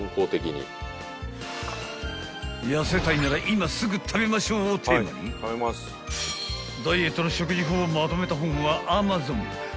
［「やせたいなら今すぐ食べましょう」をテーマにダイエットの食事法をまとめた本は］